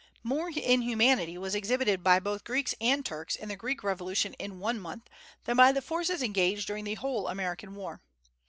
More inhumanity was exhibited by both Greeks and Turks in the Greek Revolution in one month than by the forces engaged during the whole American war.